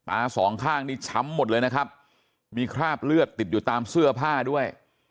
สองข้างนี่ช้ำหมดเลยนะครับมีคราบเลือดติดอยู่ตามเสื้อผ้าด้วย